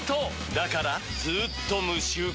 だからずーっと無臭化！